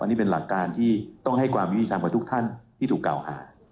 อันนี้เป็นหลักการที่ต้องให้ความยุติธรรมกับทุกท่านที่ถูกกล่าวหา